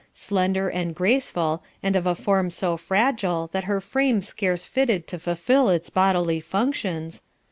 Slender and graceful and of a form so fragile that her frame scarce fitted to fulfil its bodily functions...